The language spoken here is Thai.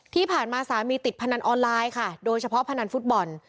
ที่ผ่านมาสามีติดพนันออนไลน์ค่ะโดยเฉพาะพนันฟุตบอล